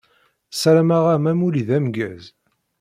Sarameɣ-am amulli d ameggaz.